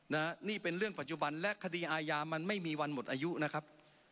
นี่เป็นเรื่องปัจจุบันและคดีอาญามันไม่มีวันหมดอายุนะครับ